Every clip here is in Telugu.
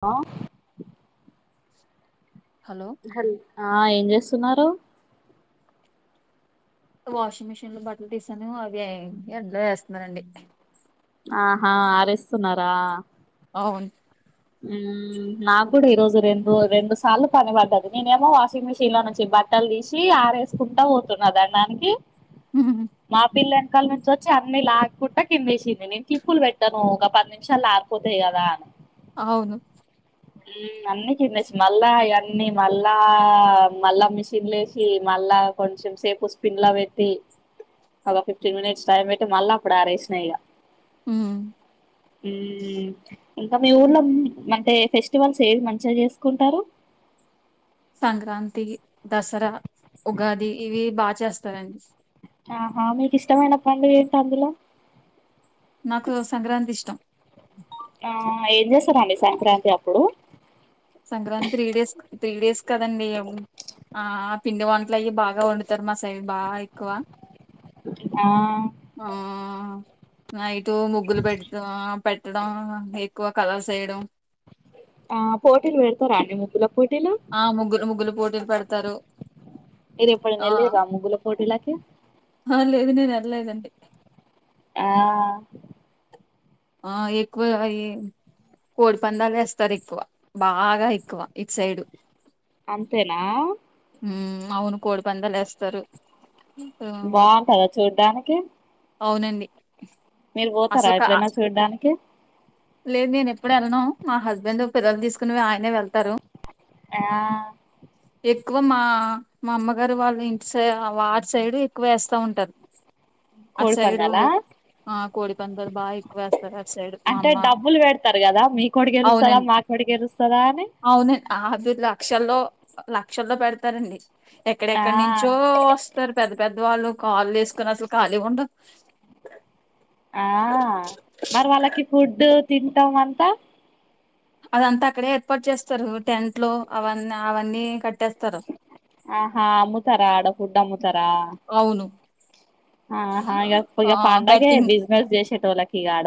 లో హలో హ ఆ ఏం చేస్తున్నారు వాషింగ్ మిషిన్ లో బట్టలు తీసాను అవి ఎండలో వేస్తున్ననండి ఆహా ఆరేస్తున్నారా అవున్ నాకు కూడా ఈ రోజు రెండు రెండు సార్లు పని పడ్డది నేనేమో వాషింగ్ మిషిన్ లో నుంచి బ బట్టలు తీసి ఆరేసుకుంటా పోతున్న దండానికి ఉహుహు. మా పిల్ల కల నుంచి వచ్చి అన్ని లాకుంట కిందేసింది నేను క్లిప్పులు పెట్టాను ఒక పది నిమిషాల్ల ఆరిపోతాయి కదా అని అవును మ్ అన్ని కిందేసిం మళ్ళా అవన్నీ మళ్ళా మళ్ళా మిషన్ లేసి మ ళ్ళ కొంచెం సేపు స్పీన్లా పెట్టి ఒక ఫిఫ్టీన్ మినిట్స్ టైం పెట్టి మళ్ళా అప్పుడు ఆరేసినా ఇగ మ్ మ్ ఇంక మీ ఊర్లో అంటే ఫెస్టివల్స్ ఏవి మంచిగా చేసుకుంటారు సంక్రాంతి దసరా ఉగాది ఇవి బాగా చేస్తారండి ఆహా మీకు ఇష్టమైన పండుగ ఏంటి అందులో నాకు సంక్రాంతి ఇష్టం ఆ ఏం చేస్తారండి సంక్రాంతి అప్పుడు Sankranti three days three days కదండి ఆ పిండి వంటలు అయి బాగా వండుతారు మా సైడ్ బాగా ఎక్కువ ఆ నైట్ ముగ్గులు పెడ్త్తు ఆ పెట్టడం ఎక్కువ కలర్స్యడం ఆ పోటీలు పెడుతారా అండి ముగ్గుల పోటీలు ఆ ముగ్గులు ముగ్గులు పోటీలు పెడుతారు మీరు ఎప్పుడన్నా ఎల్లిర్ర ముగ్గుల పోటీలకి ఆ లేదు నేను వెళ్ళలేదండి ఆ ఆ ఎక్కువే [unintelligible] కోడి పందాలు వేస్తారు ఎక్కువ బాగ ఎక్కువ ఇటు సైడు అంతేన ఉ అవును కోడి పందాలు వేస్తారు ఆ, బాగుంటయ చూడటానికి అవునండి మీరు పోతార అసలు క- ఎక్కడైన చూడ్డటనికి లేదు నేను ఎప్పుడు వెళ్ళను మా హస్బెండ్ పిల్లలు తీసుకుని ఆయనే వెళ్తారు ఆ ఎక్కువ మా మా అమ్మగారు వాళ్ళు ఇంటి సై వారి సైడ్ ఎక్కువ వేస్తా ఉంటారు అటు కోల్ సైడు పందాల ఆ కోడి పందాలు బాగా ఎక్కువ వేస్తారు అటు సైడ్ మా అంటే అమ్మ డబ్బులు పెడతారు కదా మీ కొడిర్ గెలుస్తాద అవునండి మా డి గెలుస్తాద అని అవునండి [unintelligible] లక్షల్లో లక్షల్లో పెడతారండి ఆ ఎక్కడెక్కడి నుంచో వస్తారు పెద్ పెద్దవాళ్ళు కాళ్ళు చేసుకొని అసలు ఖాళీ [unintelligible] ఆ మరి వాళ్ళకి ఫుడ్డు తింటాం అంత అదంతా అక్కడే ఏర్పాటు చేస్తారు టెంట్ లో అవన్నీ అవన్నీ క ఆహా అమ్ముతార ఆడ ఫుడ్ అమ్ముతార అవును ఆ ఇగ ఆ ఇగ పండగే బెట్టింగ్ బిజినెస్ చేసేటోల్లకి ఆడ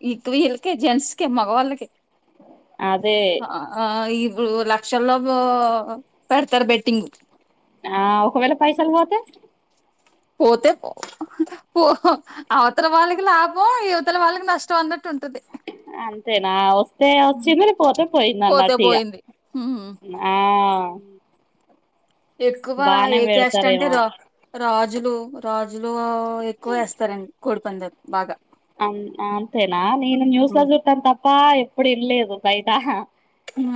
[unintelligible] వీళ్ళకే జెంట్స్కే మగవాళ్ళకే అదే ఆ లక్షల్లో పెడతారు బెట్టింగ్ ఆ ఒకవేళ పైసలు పోతే పోతే పో అవతల వాళ్ళకి లాభం ఇవతల వాళ్ళకి నష్టం అంన అంతేన వస్తే వచ్చింది పోతే పోయింది పోతే అన్నటు ఇగ పోయింది ఉమ్ ఆ ఎక్కువ బానే ఏ క్యాస్ట్ అంటే పెడతారేమో ర రాజులు రాజులు ఎక్కువ వేస్తారండి కోడిపందాలు బాగ అంతేనా నేను న్యూస్ లో ఉమ్. చుట్టమ్ తప్ప ఎప్పుడు ఇన్లేదు [unintelligible]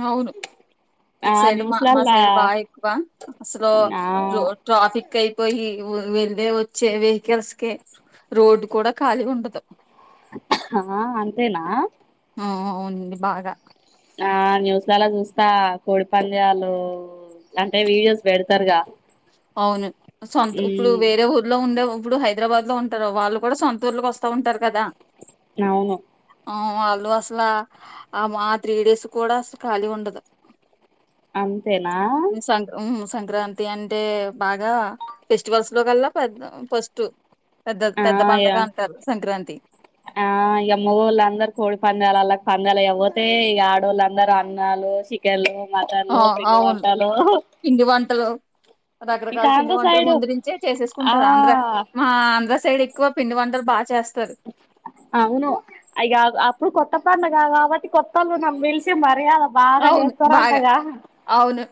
అవును ఇటు సైడ్ మా మా న్యూస్లల్లా సైడ్ బాగా ఎక్కువ అసలు ఆ ట్రాఫిక్ అయిపోయి వెళ్ళే వచ్చే వెహికల్స్ కి రోడ్ కూడ ఖాళీ ఉండదు ఆ అంతేన ఆ అవునండి బాగ ఆ న్యూస్లల చూస్త కోడి పంద్యాలు అంటే వీడియోస్ పెడతారుగ అవును సొంత ఇప్పుడు వేరే ఊర్లో ఉండే ఇప్పుడు హైదరాబాద్ లో ఉంటారు వాళ్ళు కూడ సొంత ఊర్కి వస్తా ఉంటారు కదా అవును ఆ వాళ్ళు అసలు ఆమ త్రీ డేస్ కూడ అసలు ఖాళీ ఉండదు అంతేన సం సంక్రాంతి అంటే బాగ ఫెస్టివల్స్ లో కల్ల పెద్ద ఫస్ట్ పెద్ద ఆ పెద్ద ఇగ పండగ అంటారు సంక్రాంతి ఆ మగోళ్ళ అందరు కోడి పందాలు పందలు ఇవ్వోతే ఈ ఆడోళ్ళ అందరూ అన్నాలు చికెన్లు ఆ మటన్లు పిండి అవును వంటలు పిండి వంటలు ఇంకా రకరకాల పిండి ఆంధ్ర వంటలు సైడు ముందునుంచే ఆ చేసేసుకుంటారు అంద్ర మా అంద సైడ్ ఎక్వ పిండి వంటలు బాగా చేస్తా అవును అ అప్పుడు కొ కొత్త పండుగ కాబట్టి కొత్తళ్ళు పిలిచి మర్యాద బాగా అవును బాగా చేస్తారంటగా అవును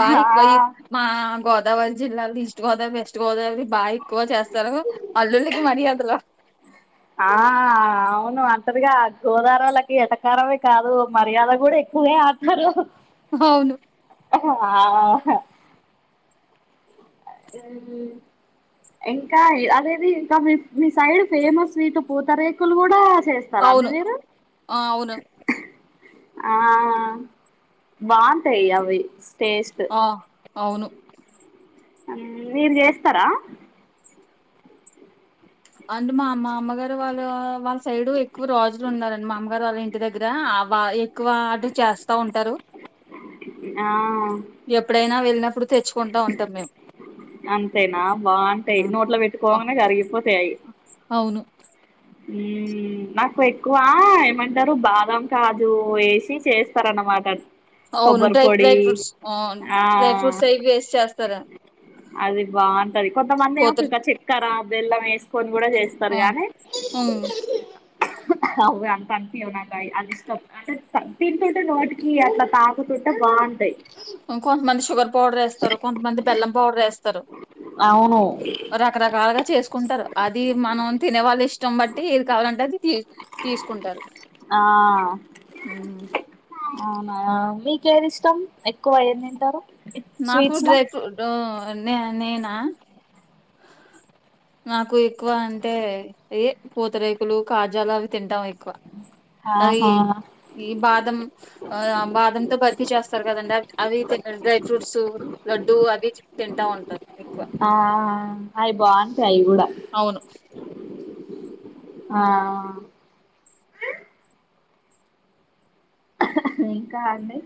బాయికియి ఆ మా గ గోదవరి జిలా లో ఇస్ట్ గోదావరి వెస్ట్ గోదావరి బాగా ఎక్కువ చేస్తారు అల్లులికి మర్యాదలు అంటారుగా గోదారోలకి ఎటకారమే కాదు మర్యాద కూడా ఎక్కువే అంటారు అవును ఆ అదేలే ఇంకా అదేది ఇంకా మీ మీ సైడ్ ఫేమస్ స్వీట్ పూతరేకులు కూడా చేస్తారా అండి అవును మీరు ఆ అవును ఆ బాగుంటాయి అవి టేస్ట్ ఆ అవును మీరు చేస్తార అండ్ మా మామగారు వాళ్ళ వాళ్ళ సైడ్ ఎక్కువ రాజులు ఉన్నారండి మా అమ్మ ారు వాళ్ళ ఇంటి దగ్గర ఎక్కువ అటు చేస్తా ఉంటారు ఆ ఎప్పుడైనా వెళ్ళినప్పుడు తెచ్చుకుంటా ఉంటాం మేము అంతేనా బాగుంటాయి ఉహు. నోట్లో ఆ పెట్టుకోగానే కరిగిపో అవును నాకు ఎక్కువ ఏమంటారు బాదం కాజు వేసి చేస్తార అన్నమాట అవును డ్రై డ్రై ఫ్రూట్స్ అవును ఆ డ్రై ఫ్రూట్స్ అవి వేసి చేస్తారు అది బాగుంటది కొంతమంది ఏమో పోతురు ఇక చక్కర బెల్లం వేసుకొని కూడా చేస్తారు గాని హ్మ్మ్ అవ అంత అనిపియ్యవు నాకు అది ఇష్టం అంటే తింటుంటే నోటికి అట్లా తాకు తుంటే బాగు ఇంకొంతమంది సుగర్ పౌడర్ వేస్థారు కొంతమంది బెల్లం పడర్ వేస్తారు అవును రకరకాలుగా కుంటారు అది మనం తినే వాళ్ళ ఇష్టం బట్టి ఏది కావాలంటే అది తీసుకుంటారు ఆ ఉమ్ అవునా మీకేది ఇష్టం ఎక్కువ ఏంది తింటారు నాకు స్వీట్స్ లా డ్రై ఫ్రూట్ నేనా నాకు ఎక్కువ అంటే ఏ పూతరేకులు కాజాలు అవి తింటాం ఎక్కువ అవి ఆహా ఈ బాదం బాదంతో బర్ఫీ చేస్తారు కదండి అ అవి డ్రై ఫ్రూట్స్ లడ్డుూ అవి తింటా ఉంటారు ఎక్కువ ఆ అవి బాగుంటాయి అవి కూడా అవును ఆ ఇంకాండి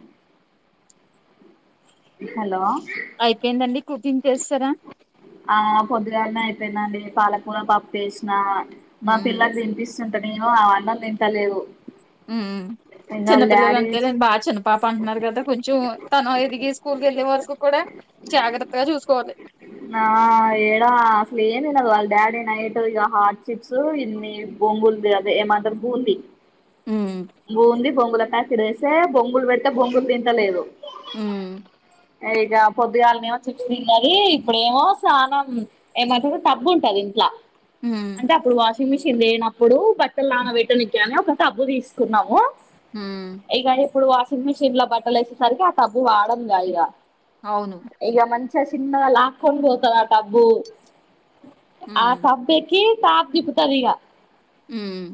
హలో అయిపోయిందండి కుకింగ్ చేసేసరా ఆ పొద్దుగానే అయిపోయిధండి పాలకూర పప్పు వేసిన మా ఉమ్ పిల్లలు తినిపిస్తుంది అంత నేను అన్నం తింటలేదు ఉమ్ ఉమ్ ఇంకా వాళ్ళ చిన్నపిల్లలు డాడీ అంతేలేండి బాగా చిన్న పాప అంటున్నారు కదా అ కొంచెం తను ఎదిగి స్కూల్ కి వెళ్ళే వరకు కూడా జాగ్రత్తగా చూసుకోవాలి నా ఏడా అసలు ఏమి తినదు వాళ్ళ డాడీ నైటు ఇక హాట్ చిప్స్ ఇన్ని బొంగుల్ ది అదే ఏ మాంటారు బూంది ఉమ్ బూంది బొంగుల ప్యాకెట్ తెస్తే బొంగులు పెడితే బొంగులు తింటలేదు ఉమ్ ఇక పొద్దుగాళ్ళనే ఏమో చిప్స్ తిన్నది ఇప్పుడేమో స్నానం ఏమంటూరు టబ్బు ఉంటది ఇంట్లా ఉమ్ అంటే అప్పుడు వాషింగ్ మిషిన్ లేనప్పుడు బట్టలు నానబట్టనికి అని ఒక డబ్బు తీస్త కున్నాము ఉమ్ ఇప్పుడు వాషింగ్ మిషన్ లో బట్టలు వేసేసరికి ఆ టబ్బు వాడంగా ఇగ అవును ఇక మంచి చిన్నగా లాగుకొని పోతది ఆ టబ్బు ఆ ఉమ్ టబ్బు ఎక్కి తాప్ తిపుతాదిగా హమ్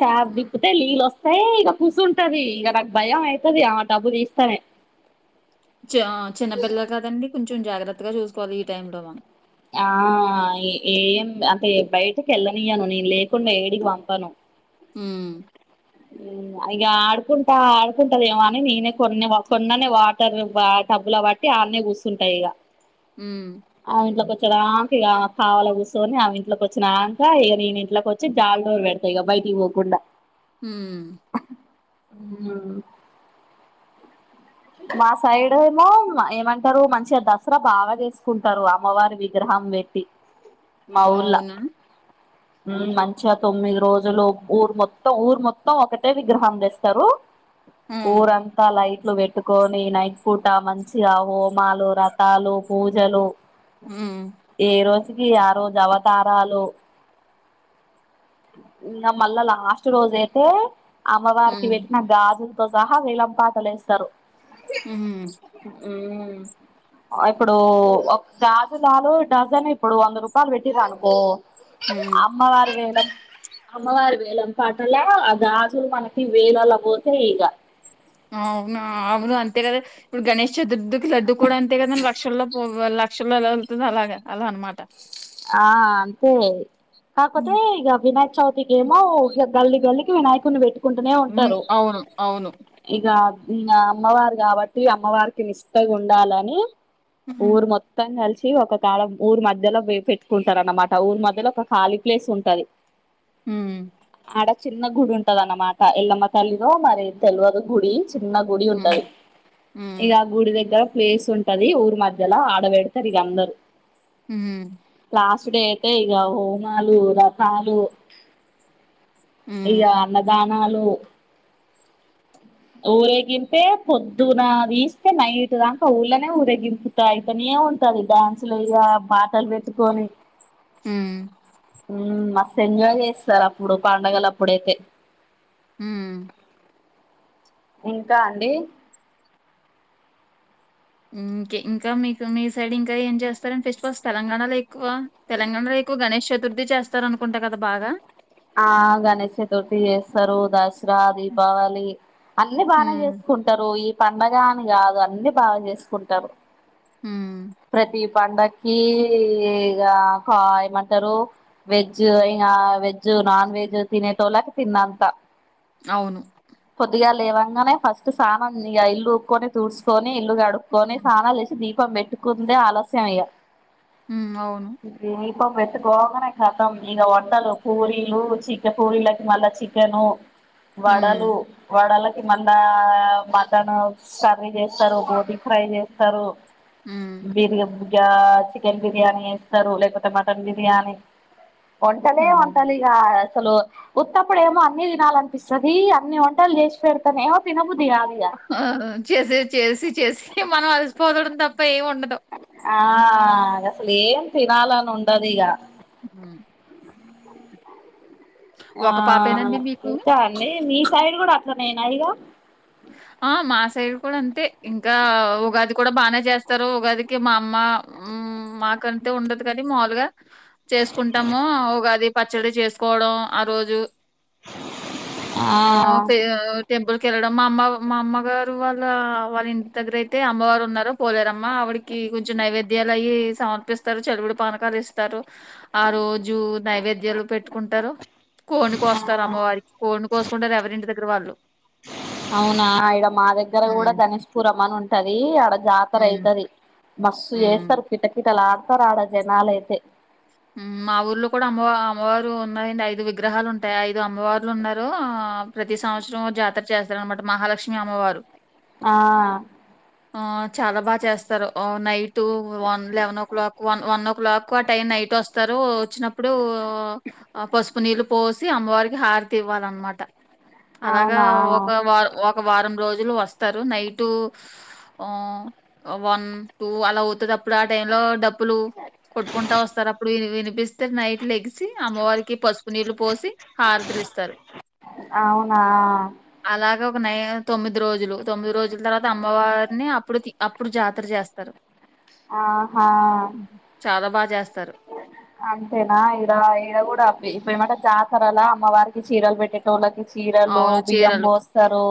ట్యాబ్ తిప్పితే నీళ్ళ వస్తాయి ఇక కుసుంటది ఇక నాకు భయం అవుతది ఆ టబ్బు తీస్తానే చా చిన్నపిల్ల కాదండి కొంచెం జాగ్రత్తగా చూసుకోవాలి ఈ టైమ్ లో మనం ఆ ఏం అంటే బయటకి వెళ్ళనియను నేను లేకుండా ఏడికి పంపాను హమ్ ఉమ్ ఇక ఆడుకుంటా ఆడుకుంటది ఏమో అని నేనే కొన్ని కొన్నానే వాటర్ బా టబ్బులో బట్టి ఆడన్నే కూర్స్తుంటా ఇక ఉమ్ ఆమె ఇంట్లోకి వచేదాక ఇక కావాల కూర్చొని ఆమె ఇంట్ ఇంట్లోకి వచ్చినాంక ఇక నేను ఇంట్లోకి వచ్చి జాడోరు పెడతా ఇక బయటికి పోకుండా హమ్ అమ్ మా సైడ్ ఏమో ఏమంటారు మంచిగా దసరా బాగా చేసుకుంటారు అమ్మవారి విగ్ర హం పెట్టి మా ఊర్లో అవునా ఉమ్ మంచిగా తొమ్మిది రోజులు ఊరు మొత్తం ఊరు మొత్తం ఒకటే విగ్రహం తేస్తారు హ్మ్ ఊరు అంతా లైట్లు పెట్ పెట్టుకొని నైట్ పూట మంచిగా హోమాలు వ్రాతలు పూజలు హ్మ్ ఏ రోజుకి ఆ రోజు అవతారాలు ఇంకా మళ్ళా లాస్ట్ రోజు అయితే అమ్మవారికి హ్మ్ పెట్టిన గాజులతో సహా వేలం పాటలు వేస్తారు హమ్ ఉమ్ ఇప్పుడు ఒక గాజులాలు డజన్ ఇప్పుడు వంద రూపాయలు పెట్టిరు అనుకో హ్మ్ అమ్మవారు వేలం అమ్మవారు వేలం పాటలో అ గాజులు మనకి వేలలో పోతాయి ఇక అవునా అవును అంతే కదా ఇప్పుడు గణేష్ చతుర్థికి లడ్డు కూడా అంతే కదా లక్షల్లో పో లక్షలో ఎలా వెల్తుందో అలాగ అలా అన్నమాట ఆ అంతే కాక పోతే ఇగ వినయక చవితికి ఏమో ఉల్లో గల్లి గల్లికి వినాయకుడిని పెట్టు కుంటూనే హ్మ్ ఉంటారు అవును అవును ఇక ఇంకా అమ్మవారు కాబట్టి అమ్మవారికి నిష్టగా ఉండాలని హ్మ్ ఊరు మొత్తం కలిసి సి ఒక కాలం ఊరి మధ్యలో పెట్టుకుంటారు అన్నమాట ఊరి మధ్యలో ఒక ఖాళీ ప్లేస్ ఉంటది హ్మ్ అడ చి చిన్న గుడి ఉంటది అన్నమాట ఎల్లమ్మ తల్లిదో మరి తెలువదు గుడి చిన్న గుడి హ్మ్ ఉంటది హ్మ్ ఇగ ఆ గుడి దగ్గర ప్లేస్ ఉంటది ఊరి మధ్యలో ఆడవేడతారు ఇగ అందరు హు లాస్ట్ డే అయితే ఇగ హోమాలు రథాలు ఇగ హ్మ్ అన్నదానాలు ఊరేగింపే పొద్దున తీస్తే నైట్ దాంక ఊళ్లనే ఊరేగింపుతా అయితనే ఉంటది డ్యాన్సులు ఇగ పాటలు పెట్టుకొని హ్మ్ హ్మ్ మస్తు ఎంజాయ్ చేస్తారు అప్పుడు పండగలప్పుడైతే హ్మ్ ఇంకా అండి ఇంక ఇంకా మీకు మీ సైడ్ ఇంకా ఏం చేస్తారంటే ఫెస్టివల్స్ తెలంగాణలో ఎక్కువ తెలంగాణ ఎక్కువ గణేష్ చతుర్థి చేస్తారనుకుంటా కదా బాగా ఆ గణష్ చతుర్థి చేస్తారు దస్ స్రా దీపావళి అన్ని బానే హ్మ్ చేసుకుంటారు ఈ పండగా అని కాదు అన్ని బాగా చేసుకుంటారు హ్మ్ ప్రతి పండక్కి ఇగా కా ఏమంటారు వెజ్ ఇగ వెజ్ జ్ నాన్ వెజ్ తినెటోల్లకు తిన్నంత అవును పొద్దుగా లేవంగానే ఫస్ట్ సానం ఇ ఇల్లు ఉక్కొని తూడ్సుకొని ఇల్లు కడుక్కకొని సానాలు చేసి దిప్ పం పెట్టుకుందే ఆలస్యయం ఇగ ఉ అవును దీపం పెట్టుకొంగనే కతం ఇగ వంటలు పూరీలు చికె పూరీకి మళ్ళా చికెను హ్మ్ వడలు మళ్ళ వడలక్ కి మళ్ళ మటన్ కర్రీ చేస్తారు బోటి ఫ్రై చేస్తారు హ్మ్ మీర్ చెప్ ఇగ చికెన్ బిర్యానీ చేస్తారు లేపోతే మటన్ బిర్యానీ వంటలే వం హ్మ్. అసలు ఉత్తప్పుడేమో అన్ని తినాలనిపిస్తది అన్ని వంటలు చేసి పెడతనేమో తినబుద్ ఆ చేసే చేసి చేసి మనం అలసిపోదడం తప్ప ఏమి ఉండదు ఆ అది అసలు ఏం తినాలని ఉండదు ఇగ హ్ ఆ ఒక పాపేనండి మీకు? ఇంకా అండి మీ సైడ్ కూడా అట్లానేనా ఇగ ఆ మా సైడ్ కూడా అంతే ఇంకా ఉగాది కూడా బానే చేస్తారు ఉగాదికి మా మ్మా మాకంటే ఉండదు కానీ మాములుగా చేసుకుంటాము ఉగాది పచ్చడి చేసుకోవడం ఆ రోజు ఆ పే టెంపుల్ కెళ్ళడం మా అమ్మ మా అమ్మగారు వాళ్ళ వాళ్ళ ఇంటి దగ్గర అయితే అమ్మగారు ఉన్నారు పోలేరమ్మ ఆవిడికి కొంచెం నైవేద్యాలు అయ్యి సమర్పిస్తారు చెలువుడు పానకాలు ఇస్తారు ఆ రోజు నైవేద్యాలు పెట్టుకుంటారు కోడి కోస్తారు అమ్మవారికి కోడిని కోసుకుంటారు ఎవరి ఇంటి దగ్గర వాళ్ళు అవునా ఇడ మా దగ్గర కూడా ఉమ్, ధనుష్పురం అని ఉంటది ఆడ జాతర ఉమ్, అయితది మస్సు ఉమ్. చేస్తారు కిట కటలు ఆడతారు ఆడ జనాలయితే ఉమ్, మా ఊర్లో కూడా అమ్మవ అమ్మవారు ఐదు విగ్రహాలు ఉంటాయి ఐదు అమ్మవారులు ఉన్నారు ఆ ప్రతి సంవత్సరం జాతర చేస్తారు అనమాట మహ లక్ష్మీ అమ్మవారు ఆ ఆ చాలా బాగా చేస్తారు night one eleven o'clock one o'clock ఆ టైం నైట్ ఇటోస్తారు వచ్చినప్పుడు ఆ పసుపు నీళ్ళు పోసి అమ్మవారికి హారతివ్వాలిన్నమాట అలాగా అవునా ఒక వారం ఒక వారం రోజు లు వస్తారు నైట్ ఆ వన్ టు అలా అవుతది అప్పుడు ఆ టైమ్ లో డ ప్పులు కొట్టుకుంటా వస్తారు అప్పుడు వినిపిస్తే నైట్ లెగిసి అమ్మవారికి పసు నీళ్లు పోసి హారతులి ఇస్తారు అవునా అలాగే ఒక నై తొమ్మిది రోజులు తొమ్మిది రోజుల తర్వాత అమ్మవారిని అప్పుడుకి అప్పుడు జాతర చేస్తారు ఆహా ఉమ్. చాలా బా చేస్తారు. అంతేనా ఇడ ఇడ కూడా అబ్బి ఏమంట జాతర అలా అమ్మవారికి చీరలు పెట్టేటోళ్ళకి చీరలు అవును బియ్యం చీరలు. బోస్తరు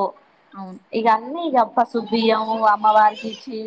అవును. ఇగ అన్ని ఇగ పసుపు బియ్యం అమ్మ వారికి చీ